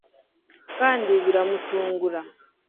kandi biramutungura